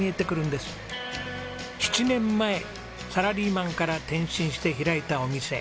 ７年前サラリーマンから転身して開いたお店。